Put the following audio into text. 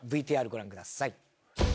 ＶＴＲご覧ください。